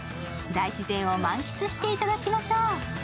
大自然を満喫してもらいましょう。